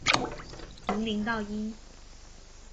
從零到一